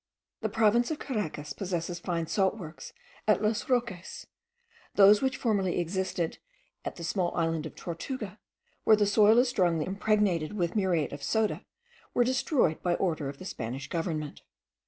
The province of Caracas possesses fine salt works at Los Roques; those which formerly existed at the small island of Tortuga, where the soil is strongly impregnated with muriate of soda, were destroyed by order of the Spanish government.